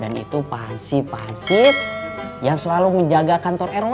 dan itu pak arsip arsip yang selalu menjaga kantor rw